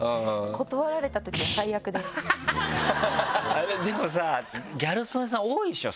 あれでもさギャル曽根さん多いでしょその仕事。